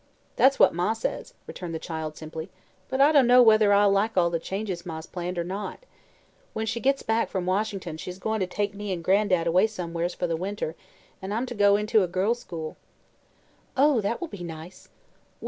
"That's what Ma says," returned the child, simply. "But I dunno whether I'll like all the changes Ma's planned, or not. When she gets back from Washington she's goin' to take me an' Gran'dad away somewheres for the winter, an' I'm to go to a girls' school." "Oh, that will be nice."